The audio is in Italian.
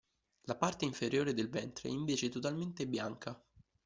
La parte inferiore del ventre è invece totalmente bianca.